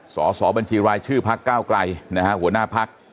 สสบัญชีรายชื่อพรรคเก้าไกรนะฮะหัวหน้าพรรค